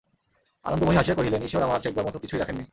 আনন্দময়ী হাসিয়া কহিলেন, ঈশ্বর আমার ঠেকবার মতো কিছুই রাখেন নি।